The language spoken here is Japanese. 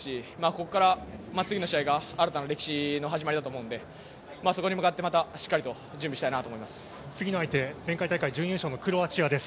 ここから次の試合が新たな歴史の始まりだと思うんでそこに向かってまた、しっかりと次の相手、前回大会準優勝のクロアチアです。